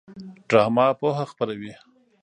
ډرامه پوهه خپروي